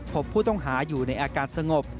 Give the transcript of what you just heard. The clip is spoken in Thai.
พบผู้ต้องหาอยู่ในอาการสงบ